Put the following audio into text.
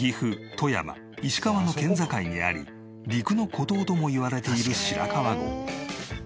富山石川の県境にあり陸の孤島ともいわれている白川郷。